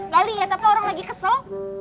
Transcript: gak liat apa orang lagi kesel